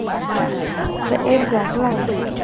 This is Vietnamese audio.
mẹ em ráng làm